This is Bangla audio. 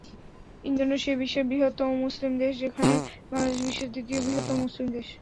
ইন্দোনেশিয়া বিশ্বের বৃহত্তম মুসলিম দেশ, যেখানে বাংলাদেশ বিশ্বের তৃতীয় বৃহত্তম মুসলিম দেশ।